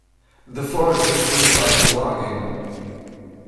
The forest is certified for logging.